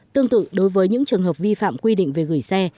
tương tự đối với những trường hợp vi phạm quy định về gửi xe